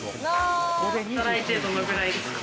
働いてどのくらいですか？